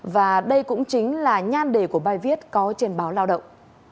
và đây cũng chính là nhan đề của bài viết có trên báo lao động